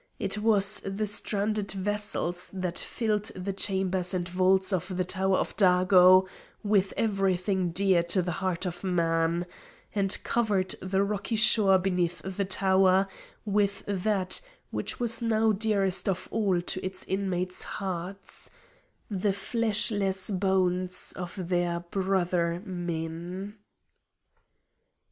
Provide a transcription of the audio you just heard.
It was the stranded vessels that filled the chambers and vaults of the Tower of Dago with everything dear to the heart of man, and covered the rocky shore beneath the tower with that which was now dearest of all to its inmates' hearts the fleshless bones of their brother men.